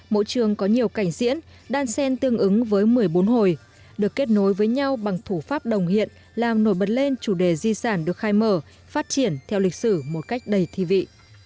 mỗi trường có nhiều cảnh diễn đan sen tương ứng với một mươi bốn hồi được kết nối với nhau bằng thủ pháp đồng hiện làm nổi bật lên chủ đề di sản được khai mở phát triển theo lịch sử một cách đầy thi vị